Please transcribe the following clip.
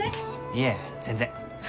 いえ全然。